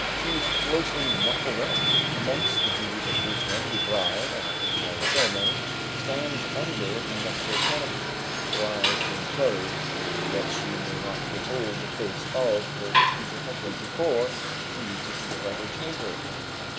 She is closely muffled up. Amongst the Jews of Jerusalem, the bride, at the marriage ceremony, stands under the nuptial canopy, her eyes being closed, that she may not behold the face of her future husband before she reaches the bridal chamber.